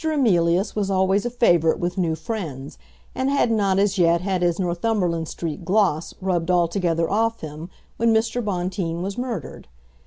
Emilius was always a favourite with new friends, and had not as yet had his Northumberland Street gloss rubbed altogether off him when Mr. Bonteen was murdered.